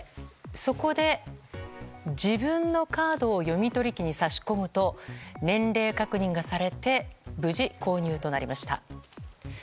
そこで自分のカードを読み取り機にさし込むと年齢確認がされて無事、購入となりました。